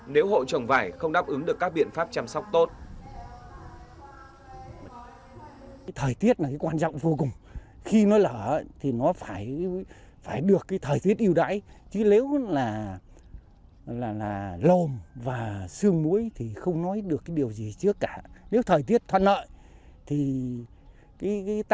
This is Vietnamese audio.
nếu hộ trồng vải không đáp ứng được các biện pháp chăm sóc tốt